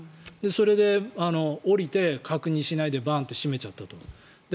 それで降りて、確認しないでバンと閉めちゃったと。